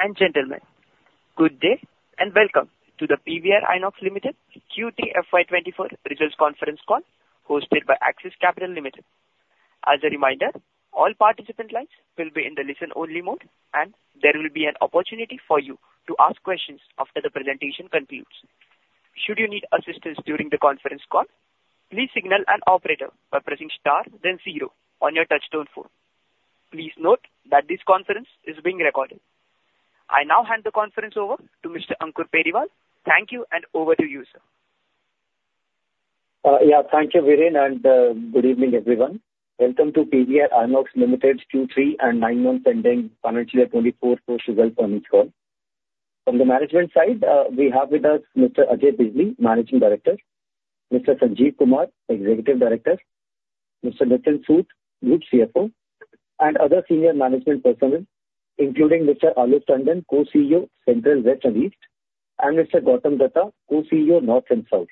Ladies and gentlemen, good day, and welcome to the PVR INOX Limited third quarter FY24 results conference call, hosted by Axis Capital Limited. As a reminder, all participant lines will be in the listen-only mode, and there will be an opportunity for you to ask questions after the presentation concludes. Should you need assistance during the conference call, please signal an operator by pressing star then zero on your touchtone phone. Please note that this conference is being recorded. I now hand the conference over to Mr. Ankur Periwal. Thank you, and over to you, sir. Yeah, thank you, Viren, and, good evening, everyone. Welcome to PVR INOX Limited's third quarter and nine months ending financial year 2024 post-result earnings call. From the management side, we have with us Mr. Ajay Bijli, Managing Director, Mr. Sanjeev Kumar, Executive Director, Mr. Nitin Sood, Group CFO. And other senior management personnel, including Mr. Alok Tandon, Co-CEO, Central, West, and East, and Mr. Gautam Dutta, Co-CEO, North and South.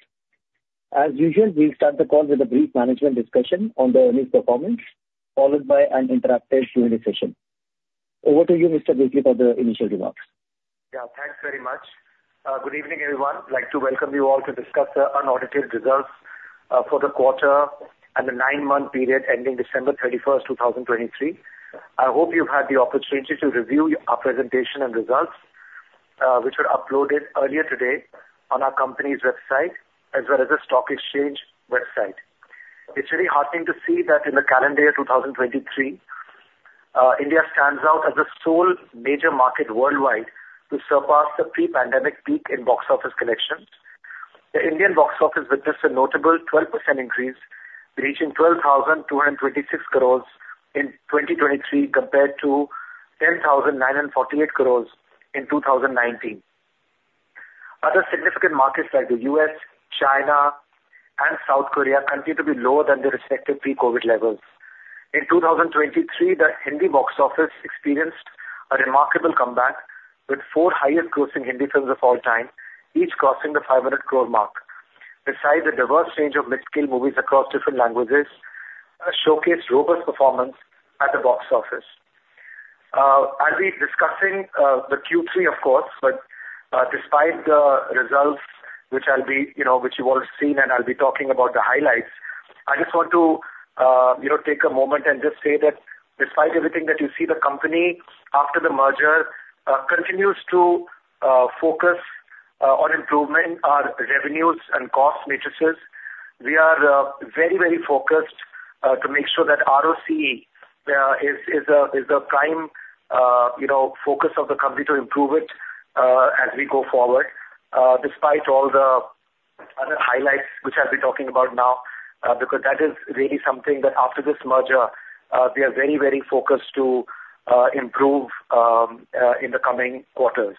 As usual, we'll start the call with a brief management discussion on the earnings performance, followed by an interactive Q&A session. Over to you, Mr. Bijli, for the initial remarks. Yeah, thanks very much. Good evening, everyone. I'd like to welcome you all to discuss the unaudited results for the quarter and the nine-month period ending December 31, 2023. I hope you've had the opportunity to review our presentation and results, which were uploaded earlier today on our company's website as well as the stock exchange website. It's really heartening to see that in the calendar year 2023, India stands out as the sole major market worldwide to surpass the pre-pandemic peak in box office collections. The Indian box office witnessed a notable 12% increase, reaching 12,226 crore in 2023, compared to 10,948 crore in 2019. Other significant markets like the U.S., China, and South Korea continue to be lower than their respective pre-COVID levels. In 2023, the Hindi box office experienced a remarkable comeback with 4 highest grossing Hindi films of all time, each crossing the 500 crore mark. Besides, a diverse range of mid-scale movies across different languages showcased robust performance at the box office. I'll be discussing the third quarter, of course, but despite the results, which, you know, you've all seen and I'll be talking about the highlights, I just want to take a moment and just say that despite everything that you see, the company, after the merger, continues to focus on improving our revenues and cost matrices. We are very, very focused to make sure that ROCE is a prime, you know, focus of the company to improve it as we go forward. Despite all the other highlights, which I'll be talking about now, because that is really something that after this merger, we are very, very focused to improve in the coming quarters.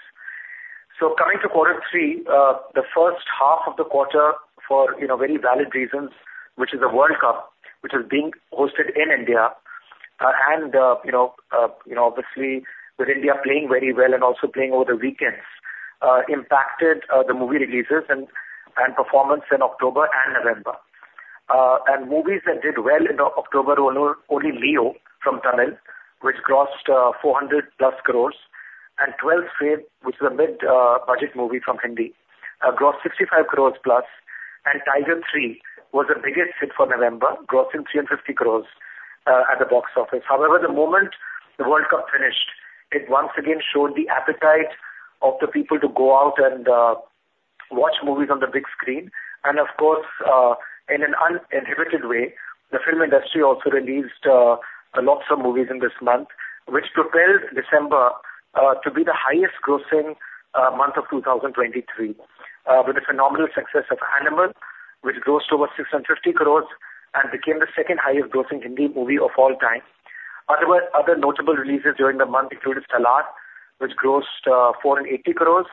So coming to quarter three, the first half of the quarter for, you know, very valid reasons, which is the World Cup, which is being hosted in India, and, you know, obviously with India playing very well and also playing over the weekends, impacted the movie releases and performance in October and November. And movies that did well in October were only Leo from Tamil, which grossed 400+ crores, and 12th Fail, which is a mid-budget movie from Hindi, grossed 65 crores plus, and Tiger 3 was the biggest hit for November, grossing 350 crores at the box office. However, the moment the World Cup finished, it once again showed the appetite of the people to go out and watch movies on the big screen. And of course, in an uninhibited way, the film industry also released lots of movies in this month, which propelled December to be the highest-grossing month of 2023, with the phenomenal success of Animal, which grossed over 650 crores and became the second highest-grossing Hindi movie of all time. Other notable releases during the month included Salaar, which grossed 480 crore,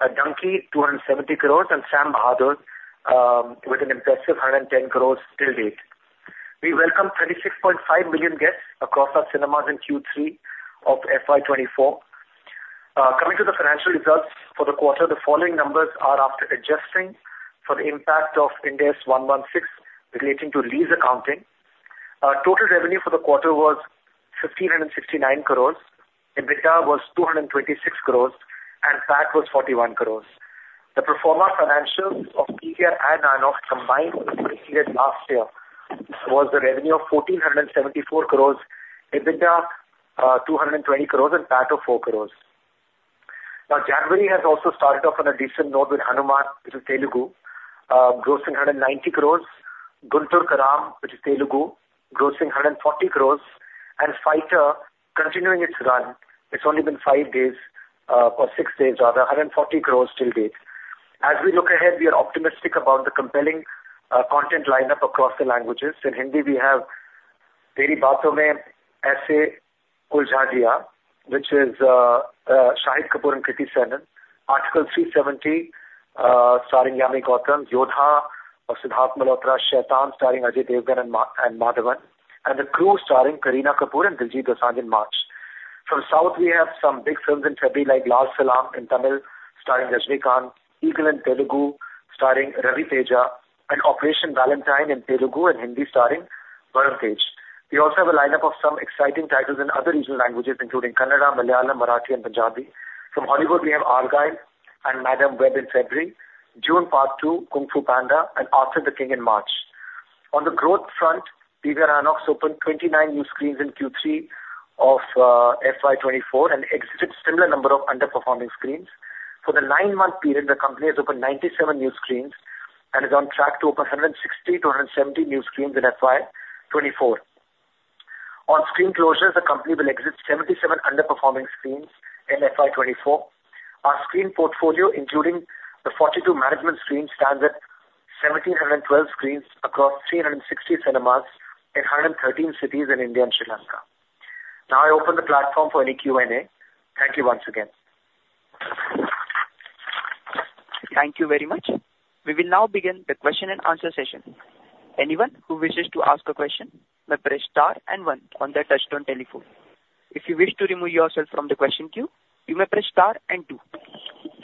Dunki, 270 crore, and Sam Bahadur, with an impressive 110 crore till date. We welcomed 36.5 million guests across our cinemas in third quarter of FY 2024. Coming to the financial results for the quarter, the following numbers are after adjusting for the impact of Ind AS 116, relating to lease accounting. Total revenue for the quarter was 1,569 crore, EBITDA was 226 crore, and PAT was 41 crore. The pro forma financials of PVR and INOX combined for the period last year was the revenue of 1,474 crore, EBITDA, 220 crores, and PAT of 4 crore. Now, January has also started off on a decent note with Hanu-Man, which is Telugu, grossing 190 crores, Guntur Kaaram, which is Telugu, grossing 140 crores, and Fighter continuing its run. It's only been five days, or six days rather, 140 crores till date. As we look ahead, we are optimistic about the compelling content lineup across the languages. In Hindi, we have Teri Baaton Mein Aisa Uljha Jiya, which is Shahid Kapoor and Kriti Sanon; Article 370, starring Yami Gautam; Yodha of Sidharth Malhotra; Shaitaan, starring Ajay Devgn and R. Madhavan; and The Crew, starring Kareena Kapoor and Diljit Dosanjh in March. From South, we have some big films in February, like Lal Salaam in Tamil, starring Rajinikanth, Eagle in Telugu starring Ravi Teja, and Operation Valentine in Telugu and Hindi, starring Varun Tej. We also have a lineup of some exciting titles in other regional languages, including Kannada, Malayalam, Marathi, and Punjabi. From Hollywood, we have Argylle and Madame Web in February, Dune: Part Two, Kung Fu Panda, and Arthur the King in March. On the growth front, PVR INOX opened 29 new screens in third quarter of FY 2024, and exited similar number of underperforming screens. For the nine-month period, the company has opened 97 new screens and is on track to open 160 to 170 new screens in FY 2024. On screen closures, the company will exit 77 underperforming screens in FY 2024. Our screen portfolio, including the 42 management screens, stands at 1,712 screens across 360 cinemas in 113 cities in India and Sri Lanka. Now I open the platform for any Q&A. Thank you once again. Thank you very much. We will now begin the question and answer session. Anyone who wishes to ask a question may press star and One on their touchtone telephone. If you wish to remove yourself from the question queue, you may press star and Two.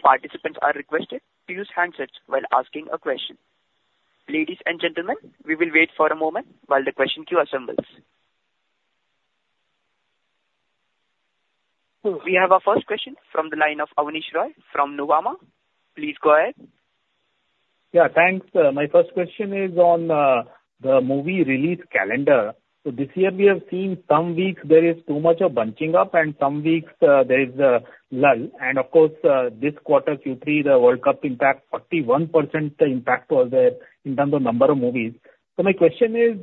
Participants are requested to use handsets while asking a question. Ladies and gentlemen, we will wait for a moment while the question queue assembles. We have our first question from the line of Abneesh Roy from Nuvama. Please go ahead. Yeah, thanks. My first question is on the movie release calendar. So this year we have seen some weeks there is too much of bunching up, and some weeks there is a lull. And of course, this quarter, third quarter, the World Cup impact, 41% impact was there in terms of number of movies. So my question is,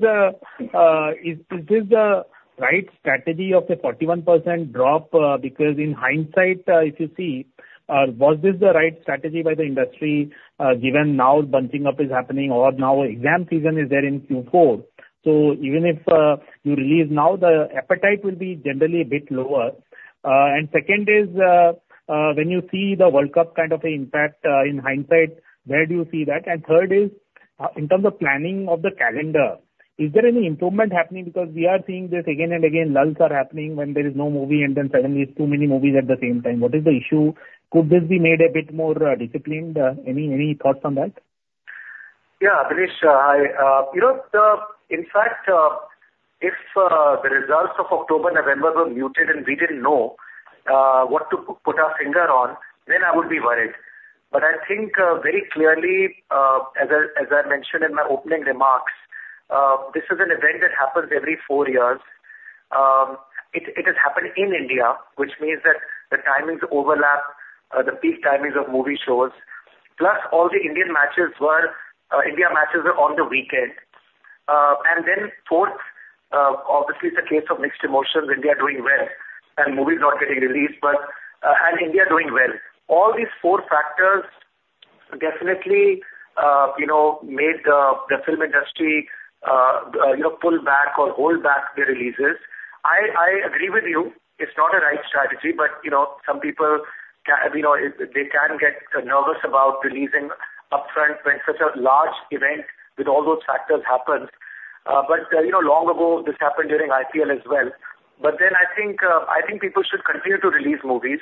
is this the right strategy of a 41% drop? Because in hindsight, if you see, was this the right strategy by the industry, given now bunching up is happening or now exam season is there in fourth quarter? So even if you release now, the appetite will be generally a bit lower. And second is, when you see the World Cup kind of impact, in hindsight, where do you see that? Third is, in terms of planning of the calendar, is there any improvement happening because we are seeing this again and again, lulls are happening when there is no movie, and then suddenly it's too many movies at the same time. What is the issue? Could this be made a bit more disciplined? Any thoughts on that? Yeah, Abneesh, you know, in fact, if the results of October, November were muted, and we didn't know what to put our finger on, then I would be worried. But I think, very clearly, as I mentioned in my opening remarks, this is an event that happens every four years. It has happened in India, which means that the timings overlap, the peak timings of movie shows, plus all the Indian matches were on the weekend. And then fourth, obviously it's a case of mixed emotions, India doing well and movies not getting released, but and India doing well. All these four factors definitely, you know, made the film industry pull back or hold back the releases. I agree with you. It's not a right strategy, but, you know, some people, you know, they can get nervous about releasing upfront when such a large event with all those factors happens. But, you know, long ago, this happened during IPL as well. But then I think, I think people should continue to release movies.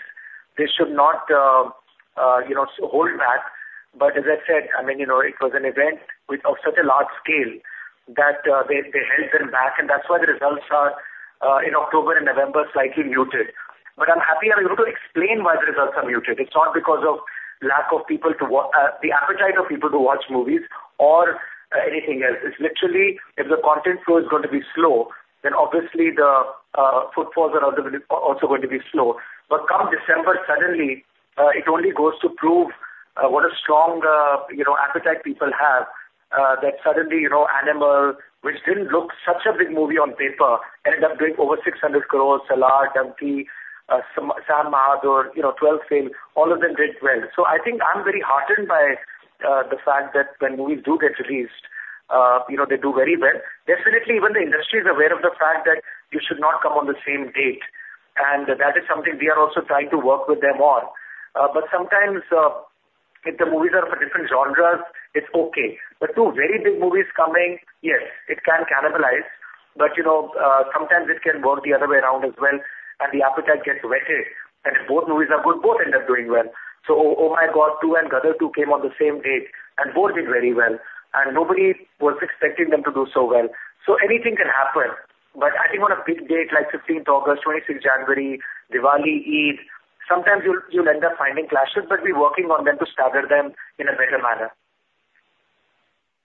They should not, you know, hold back. But as I said, I mean, you know, it was an event with of such a large scale that, they held them back, and that's why the results are, in October and November, slightly muted. But I'm happy I'm able to explain why the results are muted. It's not because of lack of people, the appetite of people to watch movies or anything else. It's literally, if the content flow is going to be slow, then obviously the footfalls are also going to be slow. But come December, suddenly, it only goes to prove what a strong, you know, appetite people have, that suddenly, you know, Animal, which didn't look such a big movie on paper, ended up doing over 600 crore. Salaar, Dunki, Sam Bahadur, you know, 12th Fail, all of them did well. So I think I'm very heartened by the fact that when movies do get released, you know, they do very well. Definitely, even the industry is aware of the fact that you should not come on the same date, and that is something we are also trying to work with them on. But sometimes, if the movies are of different genres, it's okay. But two very big movies coming, yes, it can cannibalize, but, you know, sometimes it can work the other way around as well, and the appetite gets whetted, and if both movies are good, both end up doing well. So, Oh My God 2 and Gadar 2 came on the same date, and both did very well, and nobody was expecting them to do so well. So anything can happen, but I think on a big date like 16 August 2023, 26 January 2024, Diwali, Eid, sometimes you'll, you'll end up finding clashes, but we're working on them to stagger them in a better manner.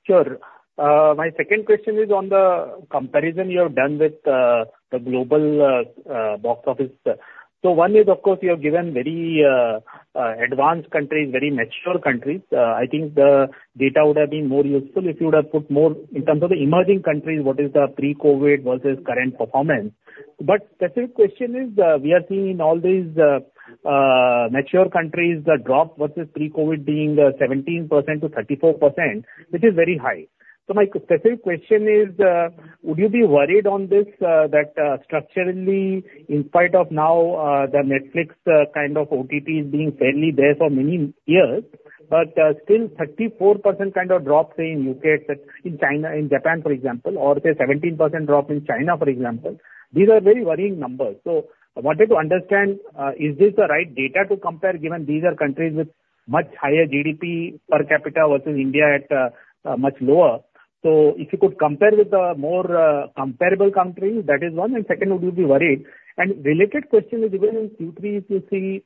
Sure. My second question is on the comparison you have done with the global box office. So one is, of course, you have given very advanced countries, very mature countries. I think the data would have been more useful if you would have put more in terms of the emerging countries, what is the pre-COVID versus current performance. But specific question is, we are seeing in all these mature countries, the drop versus pre-COVID being 17% to 34%, which is very high. So my specific question is, would you be worried on this, that, structurally, in spite of now, the Netflix, kind of OTT is being fairly there for many years, but, still 34% kind of drop, say, in U.K., say, in China, in Japan, for example, or say 17% drop in China, for example, these are very worrying numbers. So I wanted to understand, is this the right data to compare, given these are countries with much higher GDP per capita versus India at, much lower? So if you could compare with the more, comparable countries, that is one, and second, would you be worried? And related question is, even in third quarter, if you see,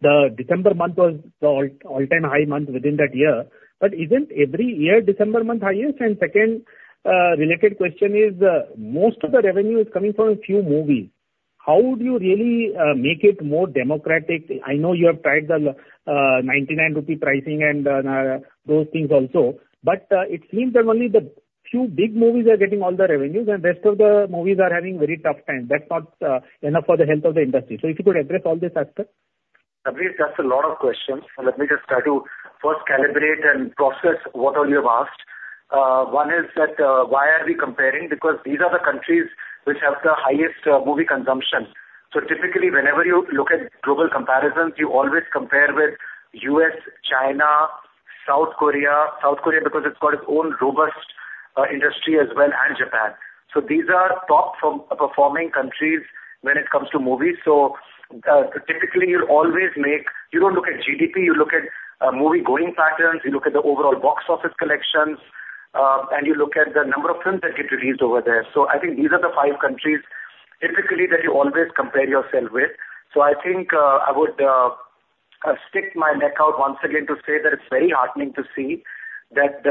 the December month was the all-time high month within that year, but isn't every year December month highest? And second, related question is, most of the revenue is coming from a few movies. How would you really make it more democratic? I know you have tried the 99 rupee pricing and those things also, but it seems that only the few big movies are getting all the revenues and rest of the movies are having very tough time. That's not enough for the health of the industry. So if you could address all these aspects. Abneesh, that's a lot of questions. Let me just try to first calibrate and process what all you have asked. One is that, why are we comparing? Because these are the countries which have the highest movie consumption. So typically, whenever you look at global comparisons, you always compare with U.S., China, South Korea. South Korea, because it's got its own robust industry as well, and Japan. So these are top form, performing countries when it comes to movies. So typically, you'll always make-- You don't look at GDP, you look at movie going patterns, you look at the overall box office collections, and you look at the number of films that get released over there. So I think these are the five countries typically, that you always compare yourself with. So I think, I would, stick my neck out once again to say that it's very heartening to see that,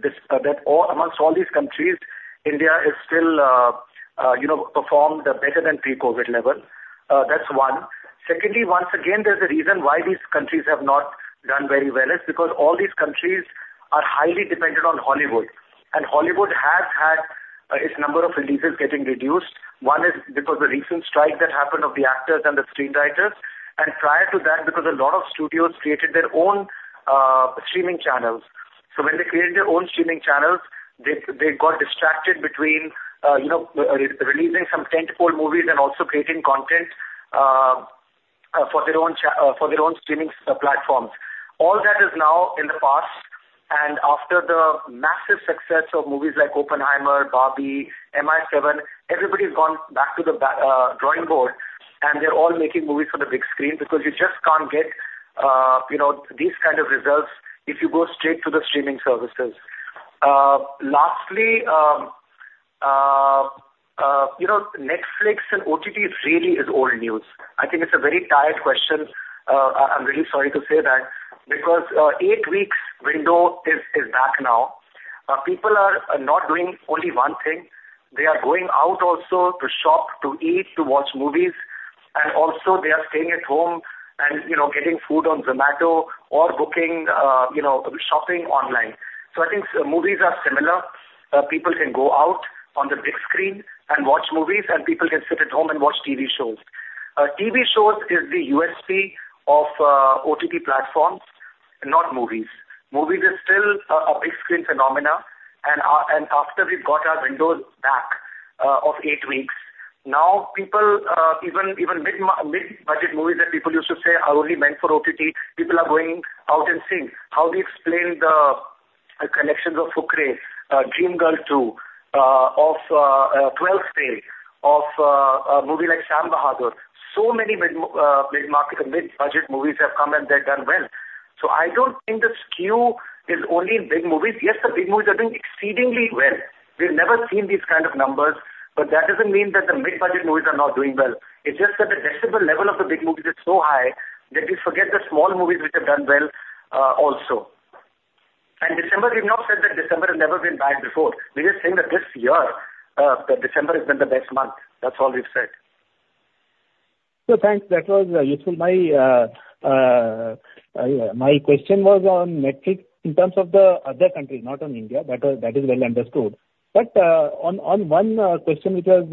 this, that all amongst all these countries, India is still, you know, performed better than pre-COVID level. That's one. Secondly, once again, there's a reason why these countries have not done very well, is because all these countries are highly dependent on Hollywood, and Hollywood has had, its number of releases getting reduced. One is because the recent strike that happened of the actors and the screenwriters, and prior to that, because a lot of studios created their own, streaming channels. So when they created their own streaming channels, they, they got distracted between, you know, re-releasing some tentpole movies and also creating content, for their own streaming, platforms. All that is now in the past, and after the massive success of movies like Oppenheimer, Barbie, MI7, everybody's gone back to the drawing board, and they're all making movies for the big screen because you just can't get, you know, these kind of results if you go straight to the streaming services. Lastly, you know, Netflix and OTT really is old news. I think it's a very tired question. I'm really sorry to say that, because eight weeks window is back now. People are not doing only one thing. They are going out also to shop, to eat, to watch movies, and also they are staying at home and, you know, getting food on Zomato or booking, you know, shopping online. So I think movies are similar. People can go out on the big screen and watch movies, and people can sit at home and watch TV shows. TV shows is the USP of OTT platforms, not movies. Movies are still a big screen phenomena, and after we've got our windows back of eight weeks, now people even mid-budget movies that people used to say are only meant for OTT, people are going out and seeing. How do you explain the collections of Fukrey, Dream Girl 2, of 12th Fail, of a movie like Sam Bahadur? So many mid-market and mid-budget movies have come and they've done well. So I don't think the skew is only in big movies. Yes, the big movies are doing exceedingly well. We've never seen these kind of numbers, but that doesn't mean that the mid-budget movies are not doing well. It's just that the decibel level of the big movies is so high, that we forget the small movies which have done well, also. December, we've not said that December has never been bad before. We're just saying that this year, December has been the best month. That's all we've said. So thanks, that was useful. My question was on Netflix in terms of the other countries, not on India. That was, that is well understood. But on one question which was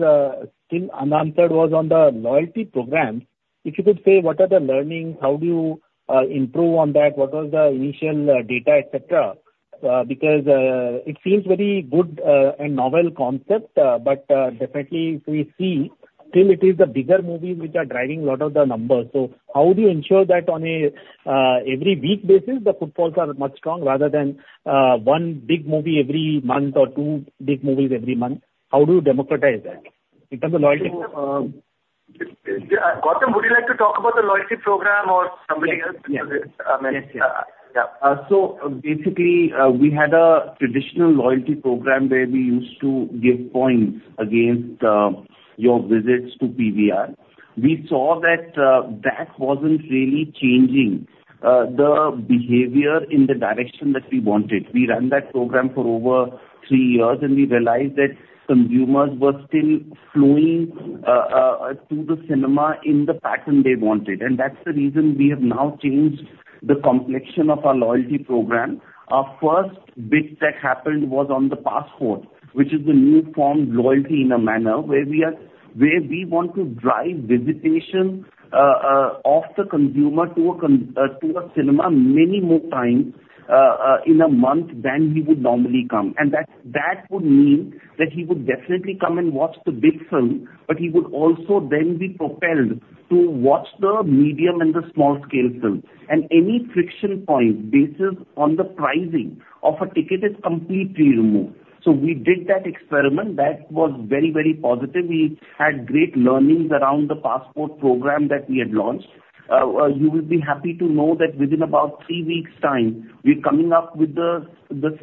still unanswered, was on the loyalty program. If you could say, what are the learnings? How do you improve on that? What was the initial data, et cetera? Because it seems very good and novel concept, but definitely if we see, still it is the bigger movies which are driving a lot of the numbers. So how do you ensure that on a every week basis, the footfalls are much strong rather than one big movie every month or two big movies every month? How do you democratize that in terms of loyalty? Gautam, would you like to talk about the loyalty program or somebody else? Yeah. Yes, yeah. Yeah. So basically, we had a traditional loyalty program where we used to give points against your visits to PVR. We saw that that wasn't really changing the behavior in the direction that we wanted. We ran that program for over three years, and we realized that consumers were still flowing to the cinema in the pattern they wanted, and that's the reason we have now changed the complexion of our loyalty program. Our first bit that happened was on the Passport, which is the new form of loyalty in a manner where we want to drive visitation of the consumer to a cinema many more times in a month than he would normally come. That would mean that he would definitely come and watch the big film, but he would also then be propelled to watch the medium and the small scale films. Any friction point based on the pricing of a ticket is completely removed. We did that experiment. That was very, very positive. We had great learnings around the passport program that we had launched. You will be happy to know that within about three weeks' time, we're coming up with the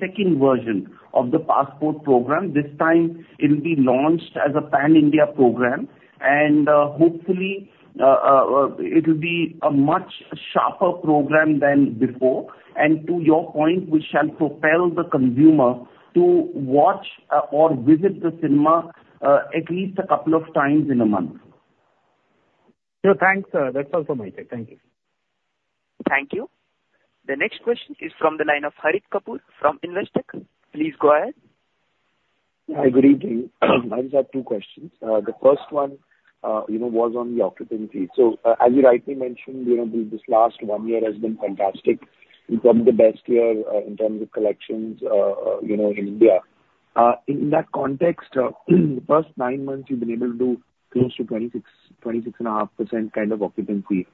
second version of the Passport program. This time it will be launched as a pan-India program, and hopefully, it will be a much sharper program than before, and to your point, which shall propel the consumer to watch or visit the cinema at least a couple of times in a month. Thanks, sir. That's all from my side. Thank you. Thank you. The next question is from the line of Harit Kapoor from Investec. Please go ahead. Hi, good evening. I have two questions. The first one, you know, was on the occupancy. So, as you rightly mentioned, you know, this last one year has been fantastic, and probably the best year in terms of collections, you know, in India. In that context, the first nine months, you've been able to do close to 26% to 26.5% kind of occupancy.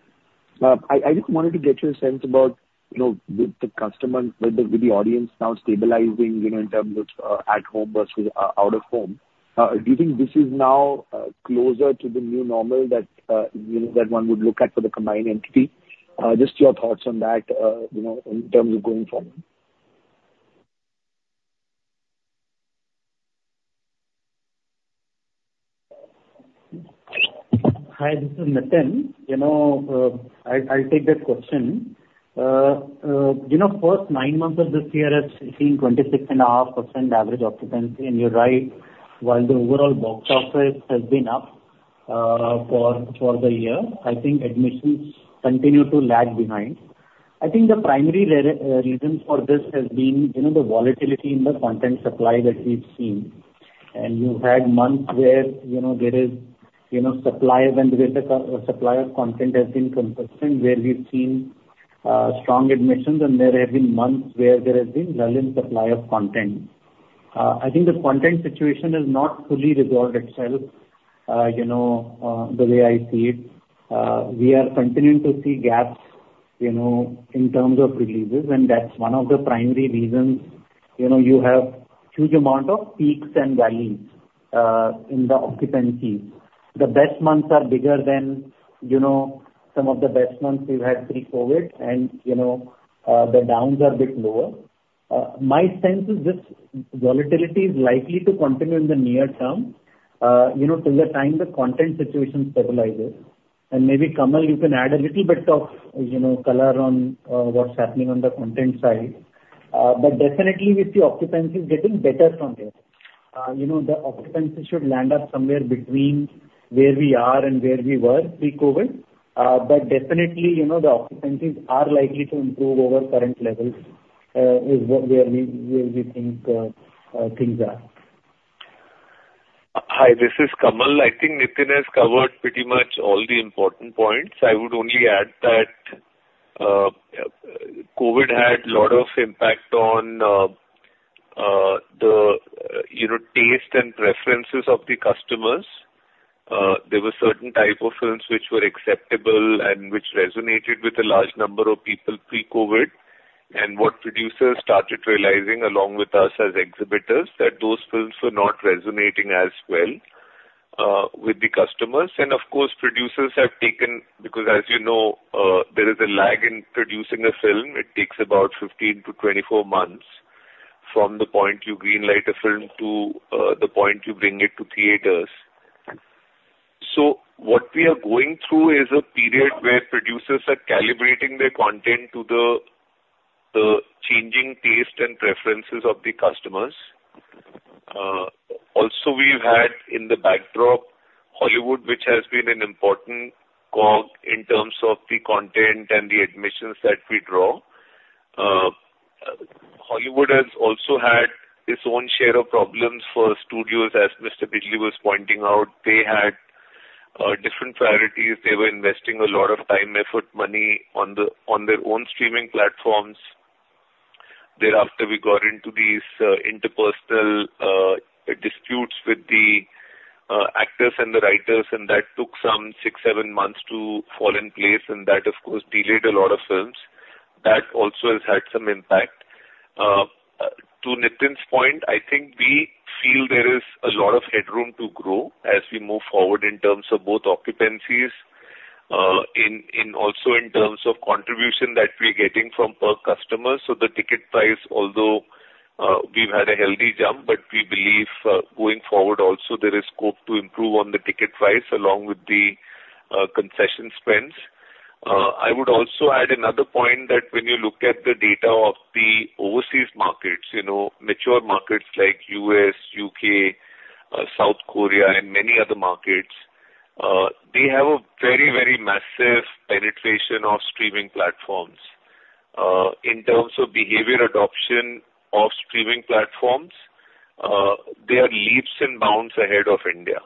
I just wanted to get your sense about, you know, with the customer, with the audience now stabilizing, you know, in terms of at home versus out of home. Do you think this is now closer to the new normal that, you know, that one would look at for the combined entity? Just your thoughts on that, you know, in terms of going forward. Hi, this is Nitin. You know, I, I'll take that question. You know, first nine months of this year has seen 26.5% average occupancy, and you're right, while the overall box office has been up, for the year, I think admissions continue to lag behind. I think the primary reason for this has been, you know, the volatility in the content supply that we've seen. And you've had months where, you know, there is, you know, supply of and with the supplier content has been consistent, where we've seen, strong admissions, and there have been months where there has been lull in supply of content. I think the content situation has not fully resolved itself, you know, the way I see it. We are continuing to see gaps, you know, in terms of releases, and that's one of the primary reasons, you know, you have huge amount of peaks and valleys in the occupancy. The best months are bigger than, you know, some of the best months we've had pre-COVID and, you know, the downs are a bit lower. My sense is this volatility is likely to continue in the near term, you know, till the time the content situation stabilizes. And maybe, Kamal, you can add a little bit of, you know, color on what's happening on the content side. But definitely we see occupancy getting better from here. You know, the occupancy should land up somewhere between where we are and where we were pre-COVID. But definitely, you know, the occupancies are likely to improve over current levels, is what where we think things are. Hi, this is Kumar. I think Nitin has covered pretty much all the important points. I would only add that COVID had a lot of impact on the you know, taste and preferences of the customers. There were certain type of films which were acceptable and which resonated with a large number of people pre-COVID, and what producers started realizing along with us as exhibitors, that those films were not resonating as well with the customers. And of course, producers have taken... Because as you know, there is a lag in producing a film. It takes about 15 to 24 months from the point you greenlight a film to the point you bring it to theaters. So what we are going through is a period where producers are calibrating their content to the changing taste and preferences of the customers. Also, we've had in the backdrop, Hollywood, which has been an important cog in terms of the content and the admissions that we draw. Hollywood has also had its own share of problems for studios. As Mr. Bijli was pointing out, they had different priorities. They were investing a lot of time, effort, money on their own streaming platforms. Thereafter, we got into these interpersonal disputes with the actors and the writers, and that took some 6, 7 months to fall in place, and that, of course, delayed a lot of films. That also has had some impact. To Nitin's point, I think we feel there is a lot of headroom to grow as we move forward in terms of both occupancies, in, also in terms of contribution that we're getting from per customer. So the ticket price, although we've had a healthy jump, but we believe going forward also there is scope to improve on the ticket price along with the concession spends. I would also add another point that when you look at the data of the overseas markets, you know, mature markets like U.S., U.K., South Korea and many other markets, they have a very, very massive penetration of streaming platforms. In terms of behavior adoption of streaming platforms, they are leaps and bounds ahead of India.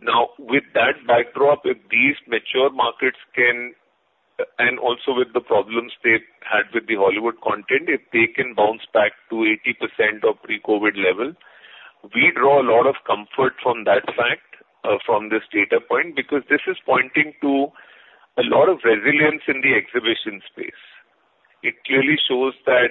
Now, with that backdrop, if these mature markets can, and also with the problems they had with the Hollywood content, if they can bounce back to 80% of pre-COVID levels, we draw a lot of comfort from that fact, from this data point, because this is pointing to a lot of resilience in the exhibition space. It clearly shows that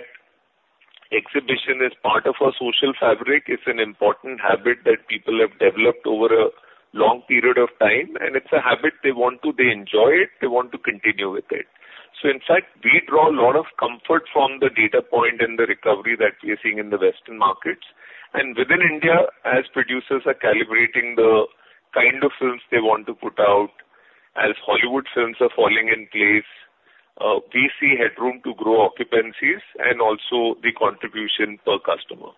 exhibition is part of our social fabric. It's an important habit that people have developed over a long period of time, and it's a habit they want to. They enjoy it, they want to continue with it. So in fact, we draw a lot of comfort from the data point and the recovery that we are seeing in the Western markets. And within India, as producers are calibrating the kind of films they want to put out, as Hollywood films are falling in place, we see headroom to grow occupancies and also the contribution per customer.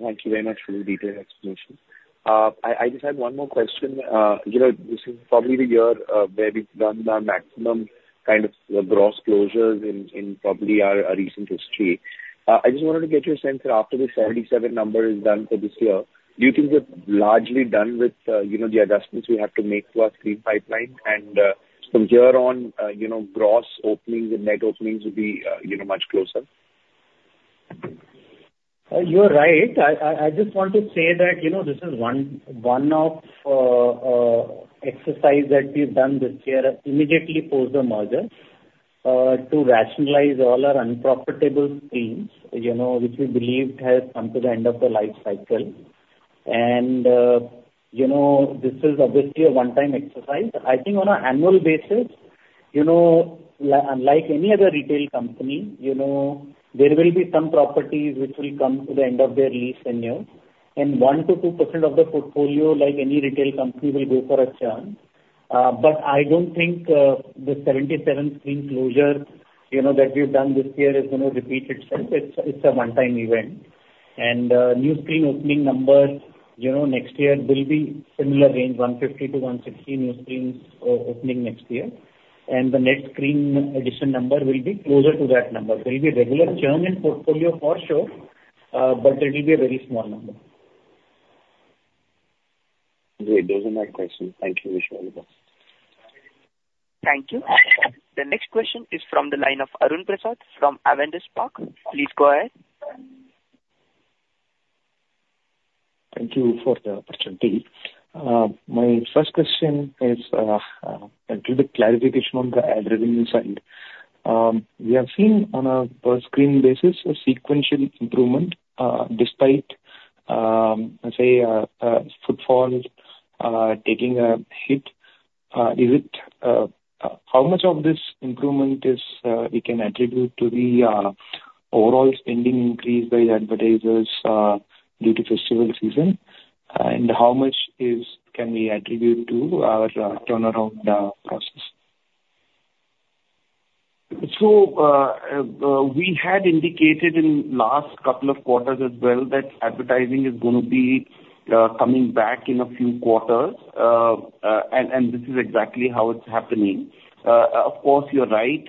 Thank you very much for the detailed explanation. I just had one more question. You know, this is probably the year where we've done the maximum kind of gross closures in probably our recent history. I just wanted to get your sense that after the 77 number is done for this year, do you think we're largely done with, you know, the adjustments we have to make to our screen pipeline, and, from here on, you know, gross openings and net openings will be, you know, much closer? You are right. I just want to say that, you know, this is one of exercise that we've done this year, immediately post the merger, to rationalize all our unprofitable screens, you know, which we believe has come to the end of the life cycle. And, you know, this is obviously a one-time exercise. I think on an annual basis, you know, unlike any other retail company, you know, there will be some properties which will come to the end of their lease tenure, and 1% to 2% of the portfolio, like any retail company, will go for a churn. But I don't think the 77 screen closure, you know, that we've done this year is going to repeat itself. It's a one-time event. New screen opening number, you know, next year will be similar range, 150 to 160 new screens opening next year. The net screen addition number will be closer to that number. There will be a regular churn in portfolio for sure, but it will be a very small number. Great. Those are my questions. Thank you. Wish you all the best. Thank you. The next question is from the line of Arun Prasath from Avendus Spark. Please go ahead. Thank you for the opportunity. My first question is, a little bit clarification on the ad revenue side. We have seen on a per screen basis, a sequential improvement, despite, say, footfall taking a hit. Is it... How much of this improvement is, we can attribute to the overall spending increase by advertisers due to festival season? And how much is, can we attribute to our turnaround process? So, we had indicated in last couple of quarters as well, that advertising is gonna be coming back in a few quarters. This is exactly how it's happening. Of course, you're right.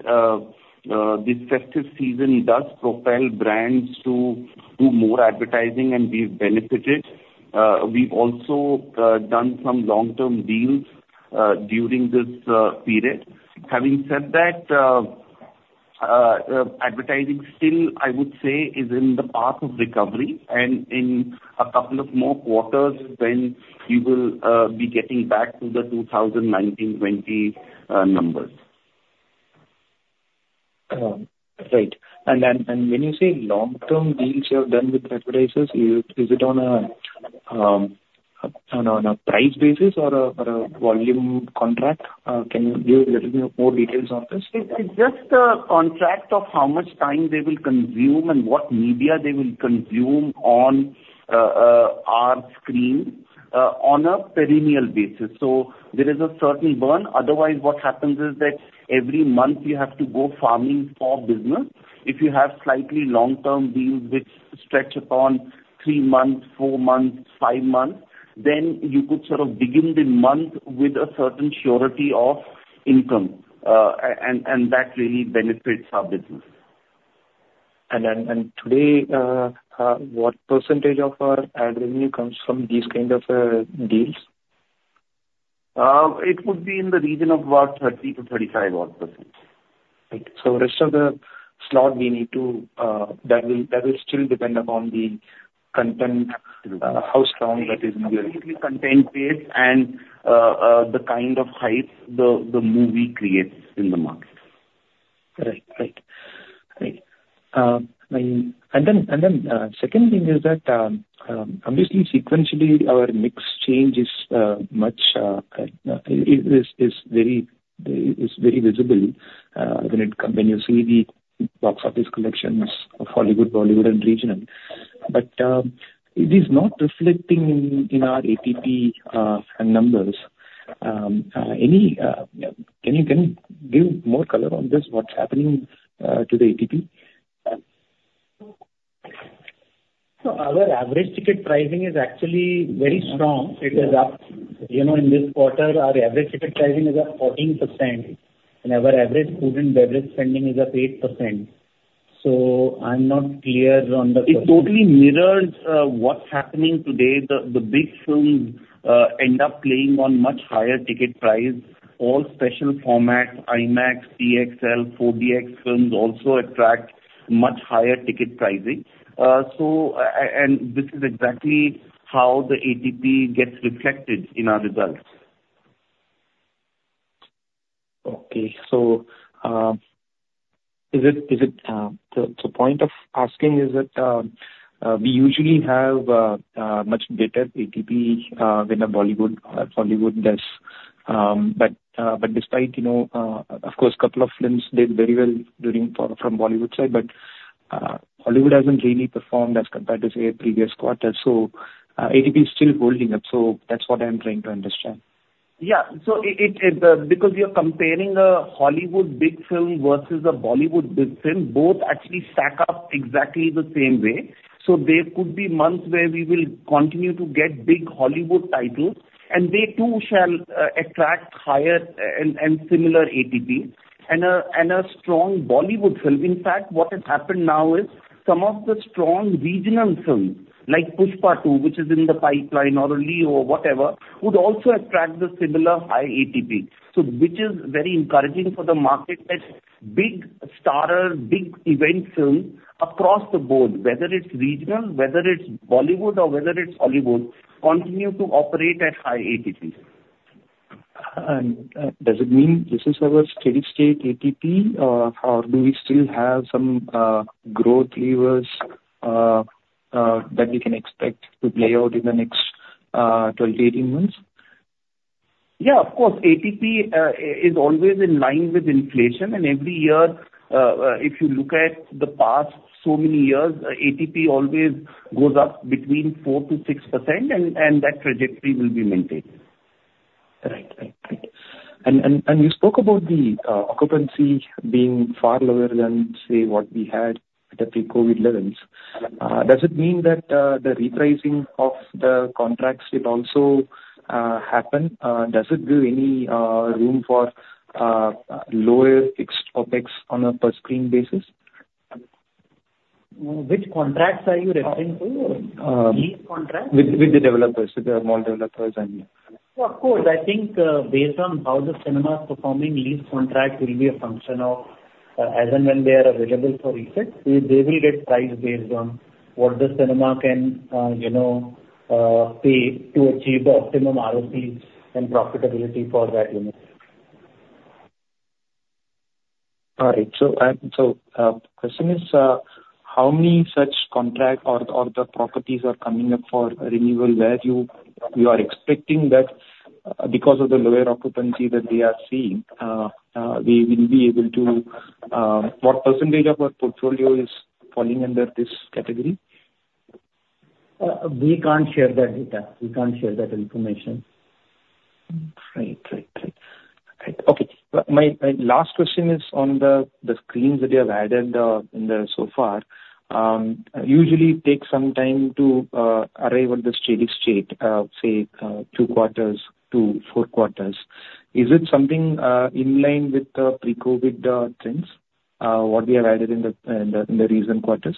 This festive season does propel brands to do more advertising, and we've benefited. We've also done some long-term deals during this period. Having said that, advertising still, I would say, is in the path of recovery, and in a couple of more quarters, then we will be getting back to the 2019/20 numbers. Right. And then, when you say long-term deals you have done with advertisers, is it on a price basis or a volume contract? Can you give a little bit more details on this? It's just a contract of how much time they will consume and what media they will consume on our screen on a perennial basis. So there is a certain burn. Otherwise, what happens is that every month you have to go farming for business. If you have slightly long-term deals which stretch upon three months, four months, five months, then you could sort of begin the month with a certain surety of income. And that really benefits our business. Today, what percentage of our ad revenue comes from these kind of deals? It would be in the region of about 30% to 35% odd. Rest of the slot, we need to. That will still depend upon the content, how strong that is. Content base and the kind of hype the movie creates in the market. Right. Right. Right. And then, second thing is that obviously, sequentially, our mix change is much more visible when you see the box office collections of Hollywood, Bollywood, and regional. But, it is not reflecting in our ATP numbers. Can you give more color on this? What's happening to the ATP? So our average ticket pricing is actually very strong. It is up. You know, in this quarter, our average ticket pricing is up 14%, and our average food and beverage spending is up 8%. So I'm not clear on the- It totally mirrors what's happening today. The big films end up playing on much higher ticket price. All special formats, IMAX, PXL, 4DX films, also attract much higher ticket pricing. So, and this is exactly how the ATP gets reflected in our results. Okay, so the point of asking is that we usually have much better ATP than a Bollywood or Hollywood does. But despite, you know, of course, couple of films did very well from the Bollywood side, but Hollywood hasn't really performed as compared to, say, a previous quarter. So ATP is still holding up, so that's what I'm trying to understand. Yeah. So, because you're comparing a Hollywood big film versus a Bollywood big film, both actually stack up exactly the same way. So there could be months where we will continue to get big Hollywood titles, and they, too, shall attract higher and similar ATP and a strong Bollywood film. In fact, what has happened now is some of the strong regional films, like Pushpa 2, which is in the pipeline already, or whatever, would also attract the similar high ATP. So which is very encouraging for the market, that big star, big event films across the board, whether it's regional, whether it's Bollywood or whether it's Hollywood, continue to operate at high ATP. Does it mean this is our steady state ATP, or do we still have some growth levers that we can expect to play out in the next 12 to 18 months? Yeah, of course. ATP is always in line with inflation, and every year, if you look at the past so many years, ATP always goes up between 4% to 6%, and that trajectory will be maintained. Right. Thank you. And you spoke about the occupancy being far lower than, say, what we had at the pre-COVID levels. Uh- Does it mean that the repricing of the contracts did also happen? Does it give any room for lower fixed OpEx on a per screen basis? Which contracts are you referring to? Uh- Lease contracts? With the developers, with the mall developers, and yeah. Of course, I think based on how the cinema is performing, lease contracts will be a function of as and when they are available for reset, they, they will get priced based on what the cinema can, you know, pay to achieve the optimum ROEs and profitability for that unit. All right. So, question is, how many such contracts or the properties are coming up for renewal, where you are expecting that because of the lower occupancy that we are seeing, we will be able to... What percentage of our portfolio is falling under this category? We can't share that data. We can't share that information. Right. Right, right. Right. Okay. My last question is on the screens that you have added in the so far. Usually it takes some time to arrive at the steady state, say, 2 quarters to 4 quarters. Is it something in line with the pre-COVID trends, what we have added in the recent quarters?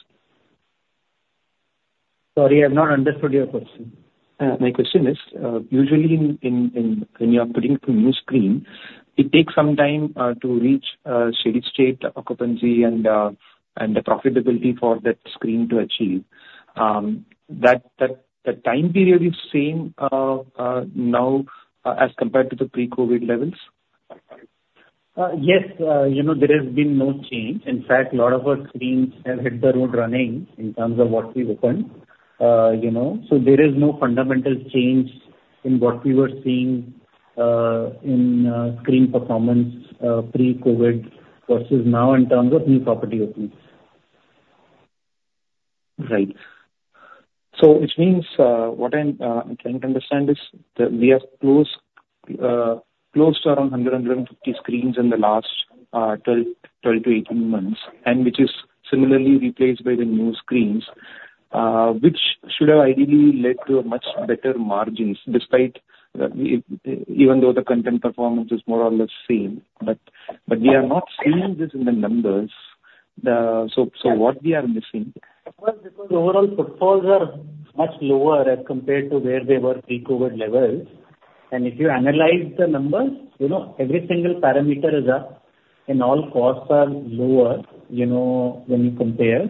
Sorry, I have not understood your question. My question is, usually, when you are putting a new screen, it takes some time to reach steady state occupancy and the profitability for that screen to achieve. That the time period is same now as compared to the pre-COVID levels? Yes. You know, there has been no change. In fact, a lot of our screens have hit the road running in terms of what we've opened, you know. So there is no fundamental change in what we were seeing in screen performance pre-COVID versus now in terms of new property openings. Right. So which means what I'm trying to understand is that we have closed around 100 to 150 screens in the last 12 to 18 months, and which is similarly replaced by the new screens, which should have ideally led to much better margins, despite even though the content performance is more or less same. But we are not seeing this in the numbers, the. So what we are missing? Well, because overall footfalls are much lower as compared to where they were pre-COVID levels. If you analyze the numbers, you know, every single parameter is up and all costs are lower, you know, when you compare.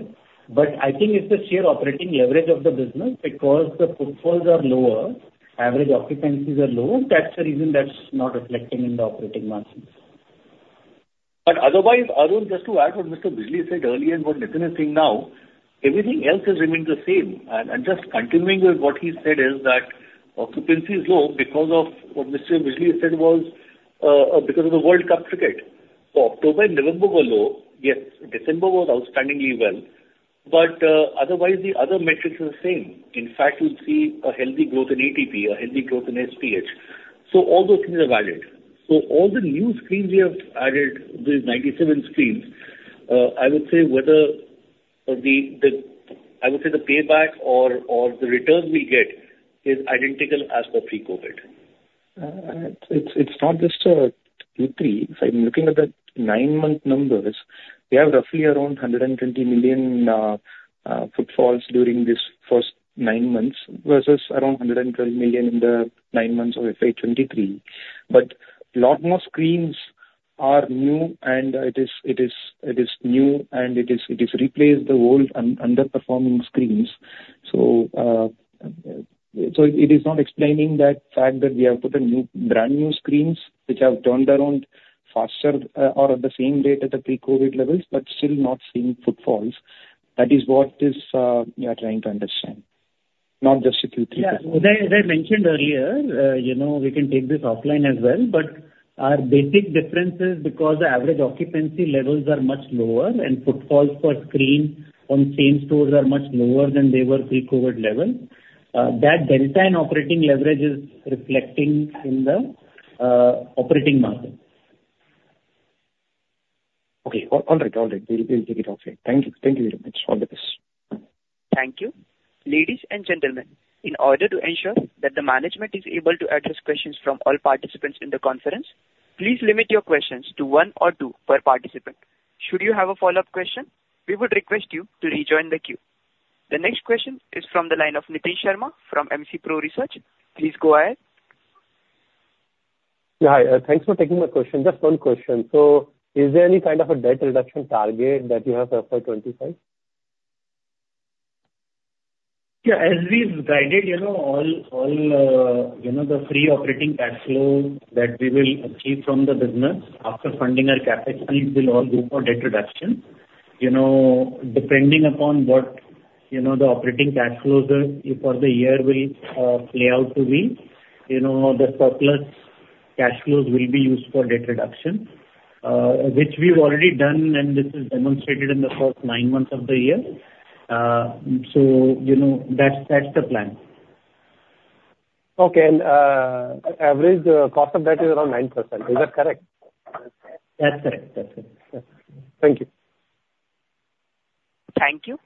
I think it's the sheer operating leverage of the business, because the footfalls are lower, average occupancies are low. That's the reason that's not reflecting in the operating margins. But otherwise, Arun, just to add what Mr. Bijli said earlier and what Nitin is saying now, everything else has remained the same. And just continuing with what he said is that occupancy is low because of what Mr. Bijli said was because of the World Cup Cricket. So October and November were low. Yes, December was outstandingly well, but otherwise the other metrics are the same. In fact, you'll see a healthy growth in ATP, a healthy growth in SPH. So all those things are valid. So all the new screens we have added, these 97 screens, I would say whether the payback or the return we get is identical as for pre-COVID. It's not just third quarter. If I'm looking at the nine-month numbers, we have roughly around 120 million footfalls during this first nine months versus around 112 million in the nine months of FY 2023. But a lot more screens are new, and it is new, and it is replaced the old underperforming screens. So it is not explaining that fact that we have put new, brand new screens which have turned around faster or at the same rate as the pre-COVID levels, but still not seeing footfalls. That is what we are trying to understand, not just third quarter. Yeah. As I mentioned earlier, you know, we can take this offline as well, but our basic difference is because the average occupancy levels are much lower and footfalls per screen on same stores are much lower than they were pre-COVID level, that delta in operating leverage is reflecting in the operating margin. Okay. All right, all right. We'll take it offline. Thank you. Thank you very much. All the best. Thank you. Ladies and gentlemen, in order to ensure that the management is able to address questions from all participants in the conference, please limit your questions to one or two per participant. Should you have a follow-up question, we would request you to rejoin the queue. The next question is from the line of Nitin Sharma from MC Pro Research. Please go ahead. Yeah, hi. Thanks for taking my question. Just one question. So is there any kind of a debt reduction target that you have for 2025? Yeah, as we've guided, you know, all the free operating cash flow that we will achieve from the business after funding our CapEx needs will all go for debt reduction. You know, depending upon what the operating cash flows are for the year will play out to be, you know, the surplus cash flows will be used for debt reduction, which we've already done, and this is demonstrated in the first nine months of the year. So, you know, that's the plan. Okay. And average cost of debt is around 9%. Is that correct? That's correct. That's it. Thank you. Thank you.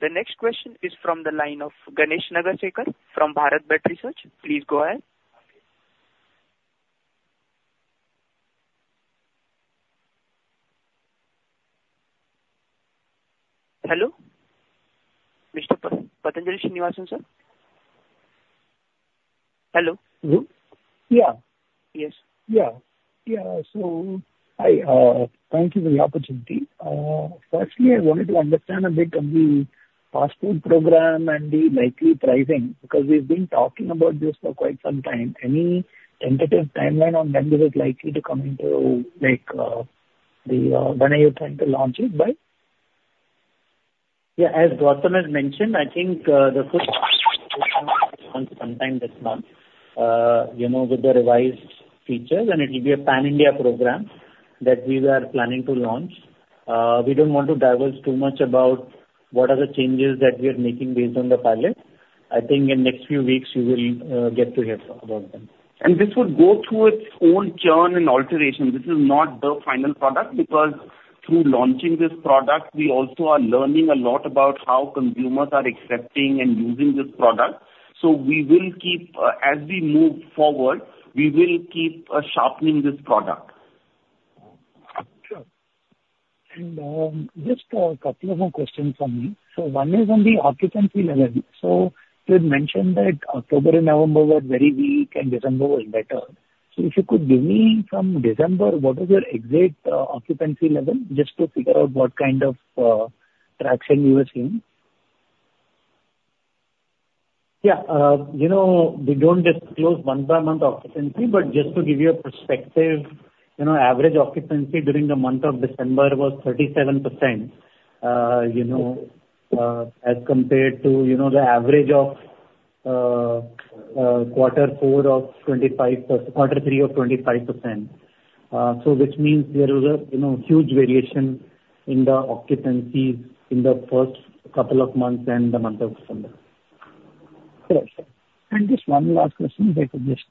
The next question is from the line of Ganesh Nagarsekar from Bharat Bet Research. Please go ahead. Hello, Mr. Patanjali Srinivasan, sir? Hello? Hello. Yeah. Yes. Yeah. Yeah, so I thank you for the opportunity. Firstly, I wanted to understand a bit on the fast food program and the likely pricing, because we've been talking about this for quite some time. Any tentative timeline on when this is likely to come into, like, when are you trying to launch it by? Yeah, as Gautam has mentioned, I think, the launch sometime this month, you know, with the revised features, and it will be a pan-India program that we are planning to launch. We don't want to diverge too much about what are the changes that we are making based on the pilot. I think in next few weeks, you will get to hear about them. This would go through its own churn and alterations. This is not the final product, because through launching this product, we also are learning a lot about how consumers are accepting and using this product. We will keep, as we move forward, we will keep, sharpening this product. Sure. And, just a couple of more questions from me. So one is on the occupancy level. So you had mentioned that October and November were very weak, and December was better. So if you could give me from December, what is your exact, occupancy level, just to figure out what kind of, traction you are seeing? Yeah, you know, we don't disclose month-by-month occupancy, but just to give you a perspective, you know, average occupancy during the month of December was 37%. You know, as compared to, you know, the average of quarter four of 25%, quarter three of 25%. So which means there is a, you know, huge variation in the occupancy in the first couple of months and the month of December. Correct. And just one last question if I could just.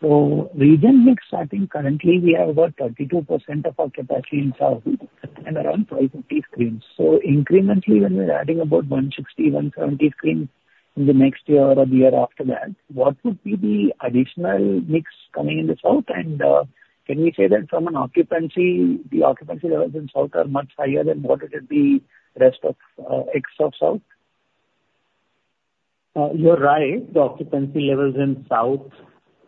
So region mix, I think currently we have about 32% of our capacity in South and around 550 screens. So incrementally, when we're adding about 160 to 170 screens in the next year or the year after that, what would be the additional mix coming in the South? And, can we say that from an occupancy, the occupancy levels in South are much higher than what it is the rest of, ex of South? You're right. The occupancy levels in South